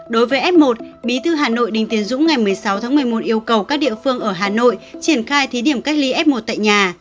đối với f một bí thư hà nội đinh tiến dũng ngày một mươi sáu tháng một mươi một yêu cầu các địa phương ở hà nội triển khai thí điểm cách ly f một tại nhà